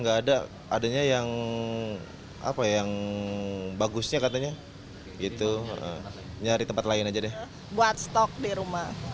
enggak ada adanya yang apa yang bagusnya katanya gitu nyari tempat lain aja deh buat stok di rumah